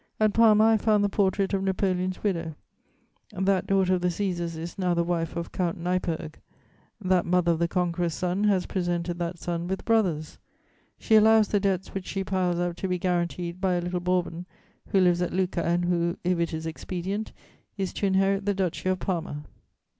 At Parma, I found the portrait of Napoleon's widow that daughter of the Cæsars is now the wife of Count Neipperg; that mother of the conqueror's son has presented that son with brothers: she allows the debts which she piles up to be guaranteed by a little Bourbon who lives at Lucca and who, if it is expedient, is to inherit the Duchy of Parma.